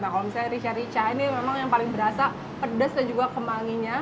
nah kalau misalnya rica rica ini memang yang paling berasa pedas dan juga kemanginya